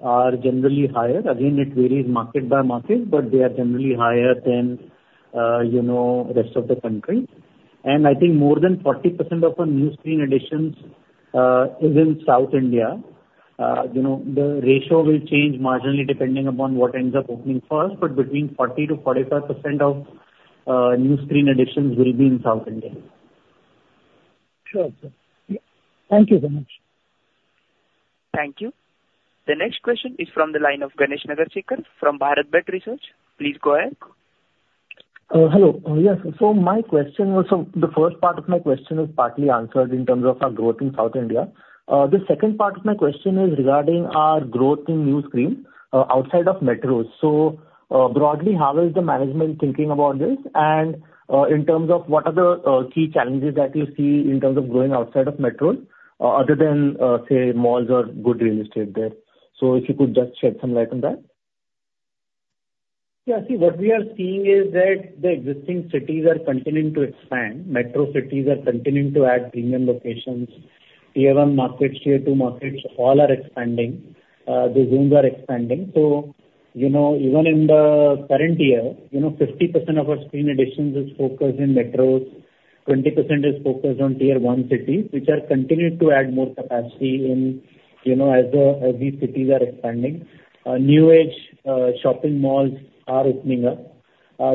are generally higher. Again, it varies market by market, but they are generally higher than, you know, rest of the country. And I think more than 40% of our new screen additions is in South India. You know, the ratio will change marginally depending upon what ends up opening first, but between 40% to 45% of new screen additions will be in South India. Sure. Yeah. Thank you very much. Thank you. The next question is from the line of Ganesh Nagarsekar from Bharat Bet Research. Please go ahead. Hello. Yes, so my question was, so the first part of my question is partly answered in terms of our growth in South India. The second part of my question is regarding our growth in new screen outside of metros. So, broadly, how is the management thinking about this? And, in terms of what are the key challenges that you see in terms of growing outside of metros, other than say, malls or good real estate there? So if you could just shed some light on that. Yeah, see, what we are seeing is that the existing cities are continuing to expand. Metro cities are continuing to add premium locations. Tier One markets, Tier Two markets, all are expanding. The rooms are expanding, so you know, even in the current year, you know, 50% of our screen additions is focused in metros, 20% is focused on Tier One cities, which are continuing to add more capacity in, you know, as these cities are expanding. New age shopping malls are opening up.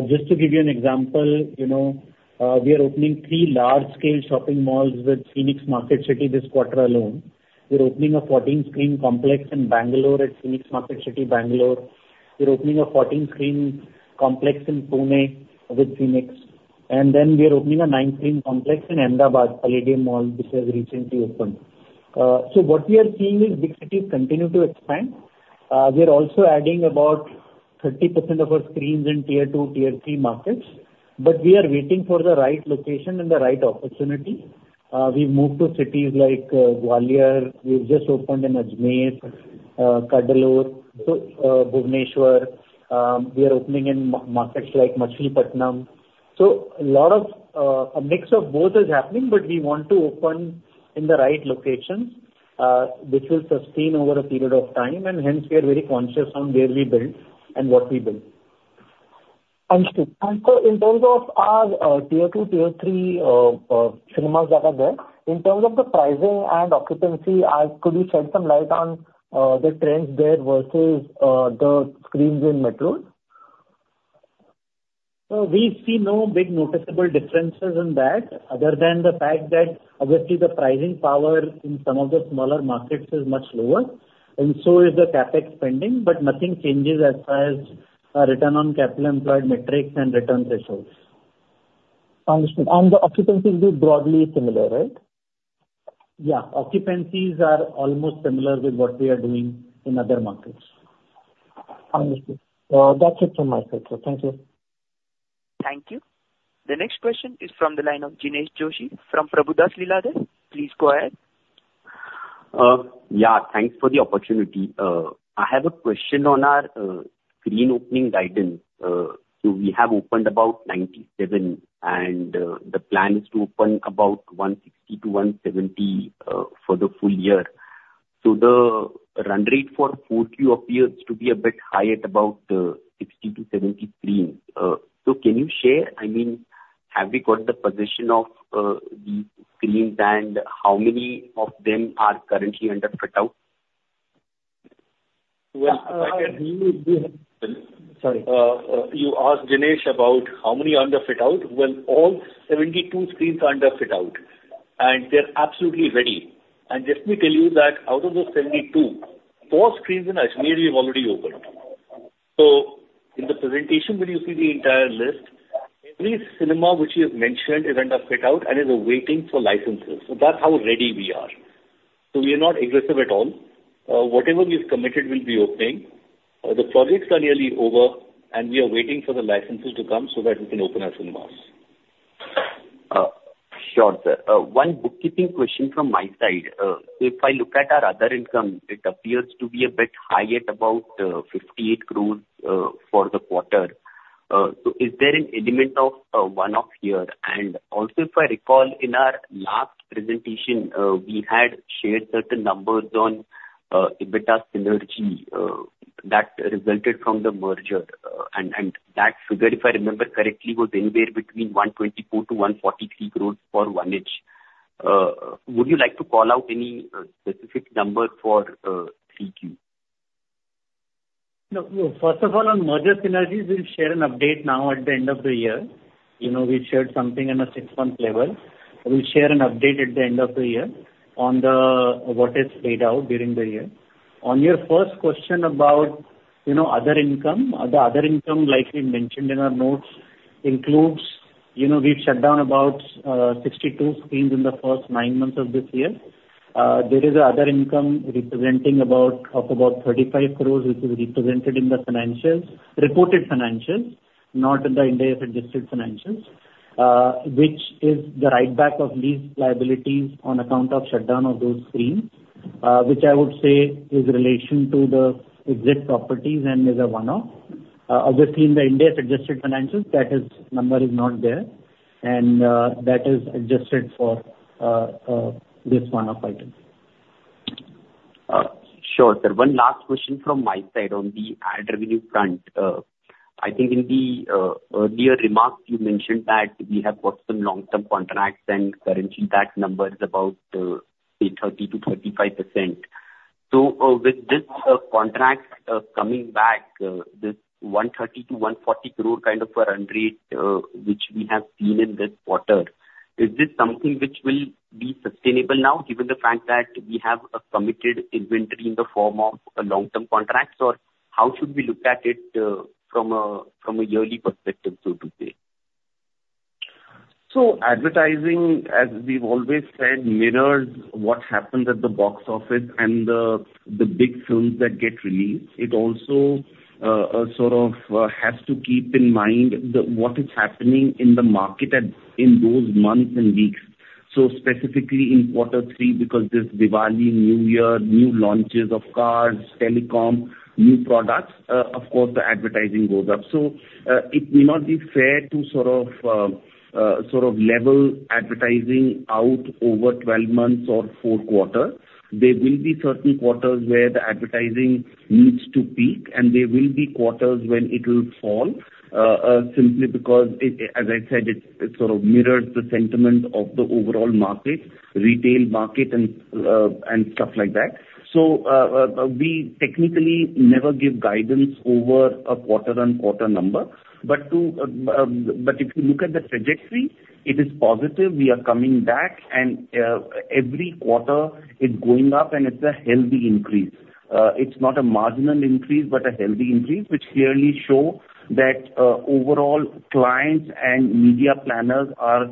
Just to give you an example, you know, we are opening three large-scale shopping malls with Phoenix MarketCity this quarter alone. We're opening a 14-screen complex in Bangalore at Phoenix MarketCity, Bangalore. We're opening a 14-screen complex in Pune with Phoenix, and then we are opening a nine-screen complex in Ahmedabad Palladium Mall, which has recently opened. So what we are seeing is big cities continue to expand. We are also adding about 30% of our screens in Tier Two, Tier Three markets, but we are waiting for the right location and the right opportunity. We've moved to cities like Gwalior. We've just opened in Ajmer, Cuddalore, so Bhubaneswar. We are opening in markets like Machilipatnam. So a lot of a mix of both is happening, but we want to open in the right locations, which will sustain over a period of time, and hence we are very conscious on where we build and what we build. Understood. And so in terms of our, Tier Two, Tier Three, cinemas that are there, in terms of the pricing and occupancy, could you shed some light on, the trends there versus, the screens in metros? We see no big noticeable differences in that, other than the fact that obviously the pricing power in some of the smaller markets is much lower, and so is the CapEx spending, but nothing changes as far as our return on capital employed metrics and return ratios. Understood. And the occupancy is broadly similar, right? Yeah. Occupancies are almost similar with what we are doing in other markets. Understood. That's it from my side, sir. Thank you. Thank you. The next question is from the line of Jinesh Joshi from Prabhudas Lilladher. Please go ahead. Yeah, thanks for the opportunity. I have a question on our screen opening guidance. So we have opened about 97, and the plan is to open about 160 to 170 for the full year. So the run rate for fourth quarter appears to be a bit high at about 60 to 70 screens. So can you share—I mean, have we got the position of the screens, and how many of them are currently under fit-out? Well, we would be- Sorry. You asked Jinesh about how many are under fit-out. Well, all 72 screens are under fit-out, and they're absolutely ready. Just to tell you that out of those 72, 4 screens in Ajmer have already opened. In the presentation, where you see the entire list, every cinema which we have mentioned is under fit-out and is waiting for licenses. That's how ready we are. We are not aggressive at all. Whatever we've committed will be opening. The projects are nearly over, and we are waiting for the licenses to come so that we can open our cinemas. Sure, sir. One bookkeeping question from my side. So if I look at our other income, it appears to be a bit high at about 58 crore for the quarter. So is there an element of one-off here? And also, if I recall, in our last presentation, we had shared certain numbers on EBITDA synergy that resulted from the merger. And that figure, if I remember correctly, was anywhere between 124 crore-143 crore for FY24. Would you like to call out any specific numbers for 3Q? No. First of all, on merger synergies, we'll share an update now at the end of the year. You know, we've shared something on a six-month level. We'll share an update at the end of the year on the, what is laid out during the year. On your first question about, you know, other income, the other income, like we mentioned in our notes, includes, you know, we've shut down about, 62 screens in the first nine months of this year. There is other income representing about, of about 35 crore, which is represented in the financials, reported financials, not in the Ind AS adjusted financials, which is the writeback of lease liabilities on account of shutdown of those screens, which I would say is in relation to the exit properties and is a one-off. Obviously, in the Ind AS adjusted financials, that number is not there, and that is adjusted for this one-off item. Sure, sir. One last question from my side on the ad revenue front. I think in the earlier remarks, you mentioned that we have got some long-term contracts, and currently that number is about, say, 30% to 35%. So, with this contract coming back, this 130 crore-140 crore kind of a run rate, which we have seen in this quarter, is this something which will be sustainable now, given the fact that we have a committed inventory in the form of long-term contracts? Or how should we look at it from a yearly perspective, so to say? So advertising, as we've always said, mirrors what happens at the box office and the big films that get released. It also, sort of, has to keep in mind what is happening in the market at, in those months and weeks. So specifically in quarter three, because this Diwali, New Year, new launches of cars, telecom, new products, of course, the advertising goes up. So, it may not be fair to sort of, sort of level advertising out over 12 months or 4 quarters. There will be certain quarters where the advertising needs to peak, and there will be quarters when it will fall, simply because it, as I said, it, it sort of mirrors the sentiment of the overall market, retail market, and, and stuff like that. So, we technically never give guidance over a quarter-on-quarter number. But to, but if you look at the trajectory, it is positive. We are coming back, and, every quarter is going up, and it's a healthy increase. It's not a marginal increase, but a healthy increase, which clearly show that, overall clients and media planners are,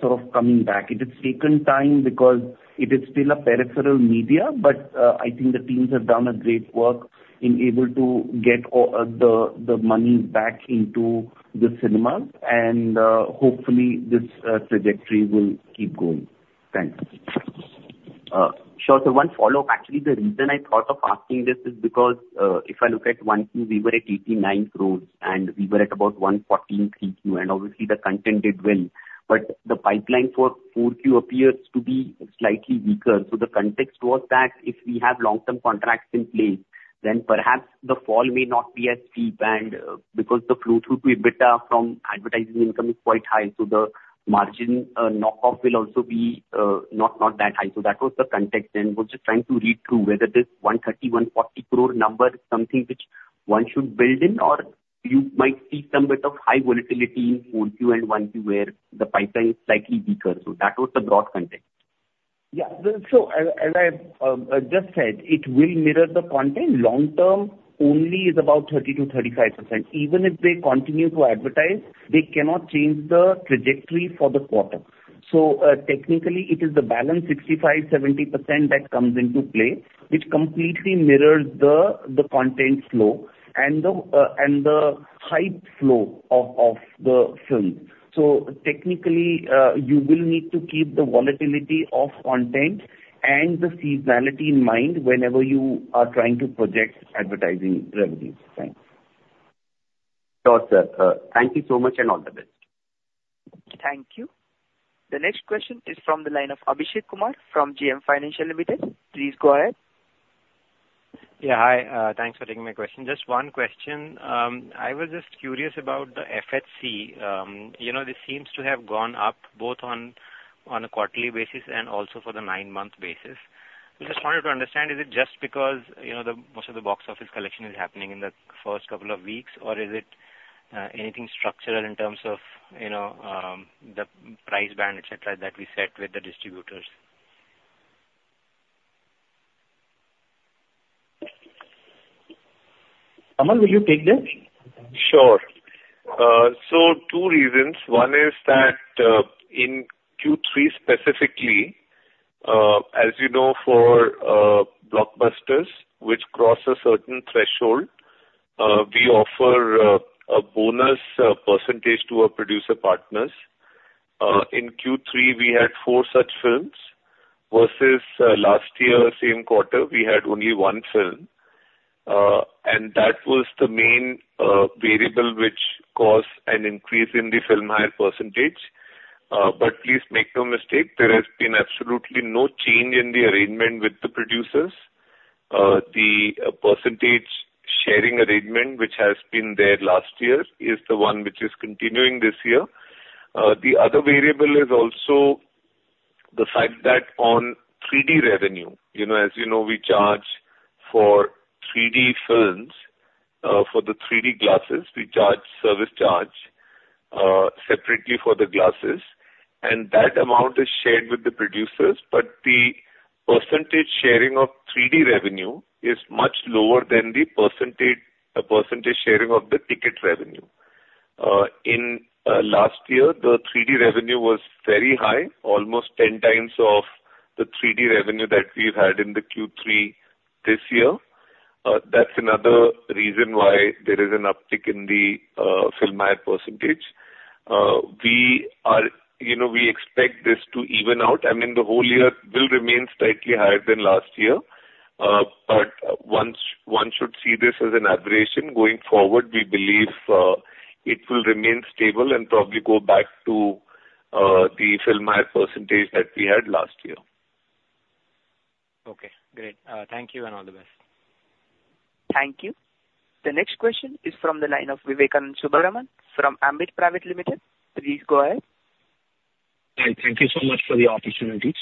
sort of coming back. It has taken time because it is still a peripheral media, but, I think the teams have done a great work in able to get all the money back into the cinemas, and, hopefully this trajectory will keep going. Thanks. Sure. So one follow-up. Actually, the reason I thought of asking this is because, if I look at 1Q, 2Q, we were at 89 crore, and we were at about 114 3Q, and obviously the content did well, but the pipeline for 4Q appears to be slightly weaker. So the context was that if we have long-term contracts in place, then perhaps the fall may not be as steep. And, because the flow-through to EBITDA from advertising income is quite high, so the margin knock-off will also be not that high. So that was the context, and was just trying to read through whether this 130-140 crore number is something which one should build in, or you might see some bit of high volatility in 4Q and 1Q, where the pipeline is slightly weaker. That was the broad context. Yeah. So as I just said, it will mirror the content. Long term only is about 30% to 35%. Even if they continue to advertise, they cannot change the trajectory for the quarter. So, technically, it is the balance 65% to 70% that comes into play, which completely mirrors the content flow and the hype flow of the film. So technically, you will need to keep the volatility of content and the seasonality in mind whenever you are trying to project advertising revenues. Thanks. Sure, sir. Thank you so much, and all the best. Thank you. The next question is from the line of Abhishek Kumar from JM Financial Limited. Please go ahead. Yeah, hi. Thanks for taking my question. Just one question. I was just curious about the FHC. You know, this seems to have gone up both on a quarterly basis and also for the nine-month basis. I just wanted to understand, is it just because, you know, the most of the box office collection is happening in the first couple of weeks, or is it anything structural in terms of, you know, the price band, et cetera, that we set with the distributors? Kumar, will you take this? Sure. So 2 reasons. One is that, in third quarter specifically, as you know, for blockbusters which cross a certain threshold, we offer a bonus percentage to our producer partners. In third quarter, we had 4 such films, versus last year, same quarter, we had only 1 film. And that was the main variable which caused an increase in the film hire percentage. But please make no mistake, there has been absolutely no change in the arrangement with the producers. The percentage sharing arrangement, which has been there last year, is the one which is continuing this year. The other variable is also the fact that on 3D revenue, you know, as you know, we charge for 3D films. For the 3D glasses, we charge service charge separately for the glasses, and that amount is shared with the producers. But the percentage sharing of 3D revenue is much lower than the percentage, the percentage sharing of the ticket revenue. In last year, the 3D revenue was very high, almost 10 times of the 3D revenue that we've had in the third quarter this year. That's another reason why there is an uptick in the film hire percentage. You know, we expect this to even out. I mean, the whole year will remain slightly higher than last year, but one should see this as an aberration. Going forward, we believe it will remain stable and probably go back to the film hire percentage that we had last year. Okay, great. Thank you, and all the best. Thank you. The next question is from the line of Vivek Subbaraman from Ambit Private Limited. Please go ahead. Hi, thank you so much for the opportunity.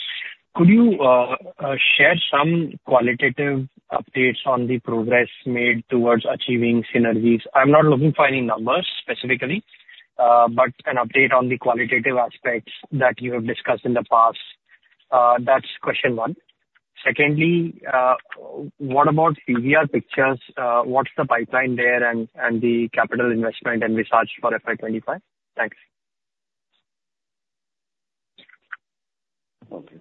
Could you, share some qualitative updates on the progress made towards achieving synergies? I'm not looking for any numbers specifically, but an update on the qualitative aspects that you have discussed in the past. That's question one. Secondly, what about CVR Pictures? What's the pipeline there and, and the capital investment and research for FY 25? Thanks. Okay.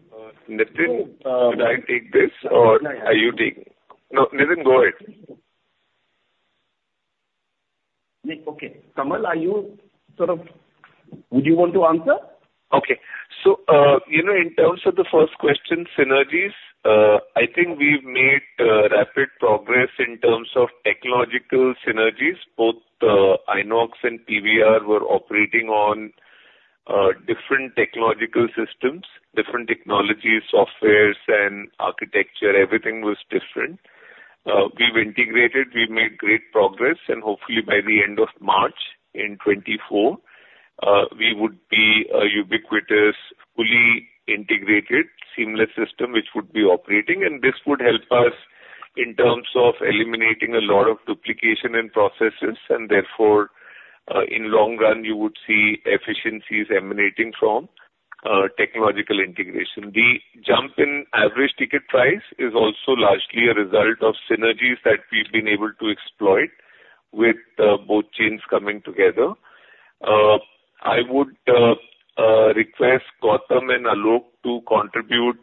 Nitin, should I take this or are you taking? No, Nitin, go ahead.... Okay, Kumar, are you sort of—would you want to answer? Okay. So, you know, in terms of the first question, synergies, I think we've made rapid progress in terms of technological synergies. Both, Inox and PVR were operating on different technological systems, different technologies, softwares and architecture. Everything was different. We've integrated, we've made great progress, and hopefully by the end of March in 2024, we would be a ubiquitous, fully integrated, seamless system which would be operating. And this would help us in terms of eliminating a lot of duplication and processes, and therefore, in long run, you would see efficiencies emanating from technological integration. The jump in average ticket price is also largely a result of synergies that we've been able to exploit with both chains coming together. I would request Gautam and Alok to contribute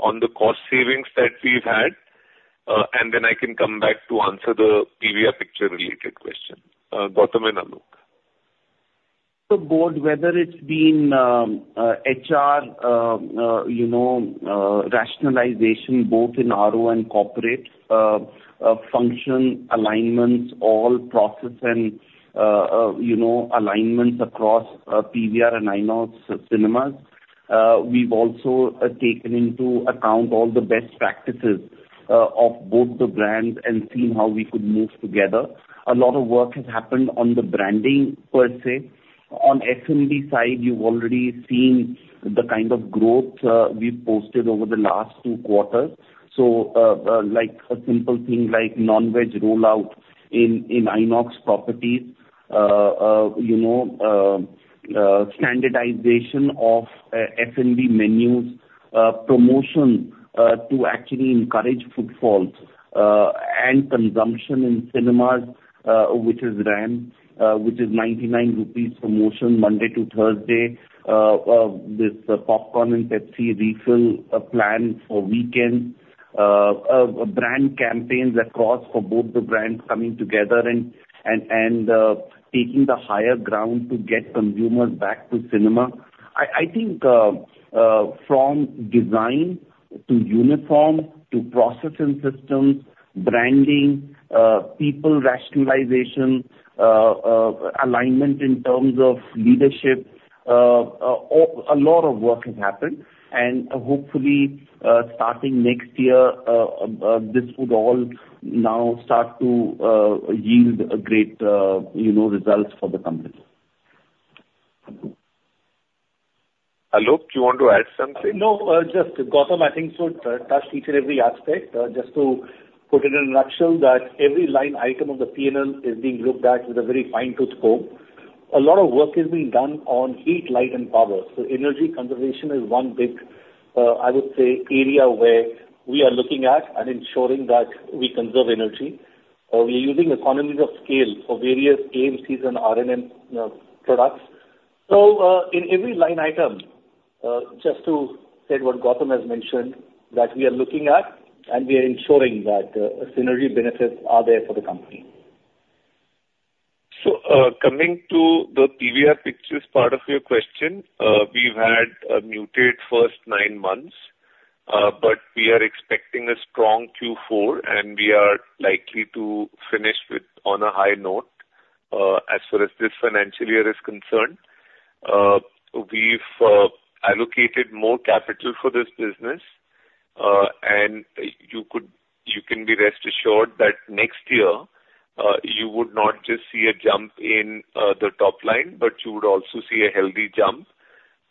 on the cost savings that we've had, and then I can come back to answer the PVR Pictures-related question. Gautam and Alok. So both, whether it's been, HR, you know, rationalization, both in RO and corporate, function alignments, all process and, you know, alignments across, PVR and INOX Cinemas. We've also taken into account all the best practices of both the brands and seen how we could move together. A lot of work has happened on the branding per se. On F&B side, you've already seen the kind of growth we've posted over the last two quarters. So, like a simple thing like non-veg rollout in INOX properties, you know, standardization of F&B menus, promotion to actually encourage footfalls and consumption in cinemas, which is a 99 rupees promotion Monday to Thursday, with popcorn and Pepsi refill plan for weekends, brand campaigns across for both the brands coming together and taking the higher ground to get consumers back to cinema. I think, from design to uniform, to process and systems, branding, people rationalization, alignment in terms of leadership, a lot of work has happened, and hopefully, starting next year, this would all now start to yield a great, you know, results for the company. Alok, you want to add something? No, just Gautam, I think, touched each and every aspect. Just to put it in a nutshell, that every line item of the PNL is being looked at with a very fine-tooth comb. A lot of work is being done on heat, light, and power, so energy conservation is one big, I would say, area where we are looking at and ensuring that we conserve energy. We are using economies of scale for various AMCs and R&M, you know, products. So, in every line item, just to say what Gautam has mentioned, that we are looking at and we are ensuring that, synergy benefits are there for the company. So, coming to the PVR Pictures part of your question, we've had a muted first nine months, but we are expecting a strong fourth quarter, and we are likely to finish on a high note. As far as this financial year is concerned, we've allocated more capital for this business, and you can be rest assured that next year, you would not just see a jump in the top line, but you would also see a healthy jump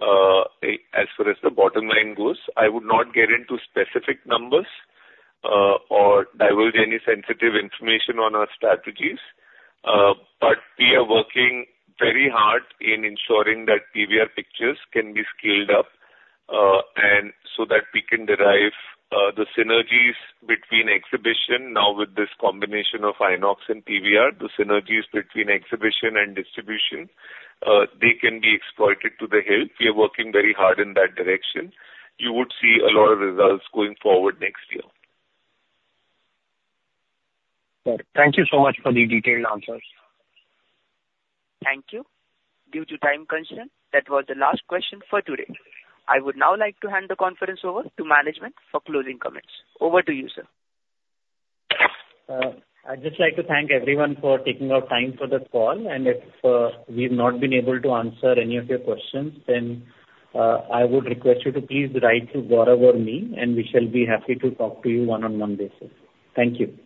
as far as the bottom line goes. I would not get into specific numbers or divulge any sensitive information on our strategies, but we are working very hard in ensuring that PVR Pictures can be scaled up, and so that we can derive the synergies between exhibition. Now, with this combination of INOX and PVR, the synergies between exhibition and distribution, they can be exploited to the hilt. We are working very hard in that direction. You would see a lot of results going forward next year. Thank you so much for the detailed answers. Thank you. Due to time constraint, that was the last question for today. I would now like to hand the conference over to management for closing comments. Over to you, sir. I'd just like to thank everyone for taking out time for this call, and if we've not been able to answer any of your questions, then I would request you to please write to Gaurav or me, and we shall be happy to talk to you one-on-one basis. Thank you.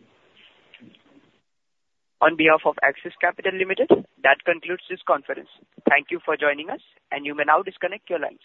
On behalf of Axis Capital Limited, that concludes this conference. Thank you for joining us, and you may now disconnect your lines.